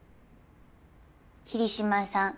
桐島さん